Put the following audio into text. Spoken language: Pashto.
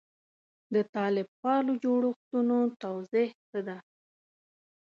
د طالب پالو جوړښتونو توضیح څه ده.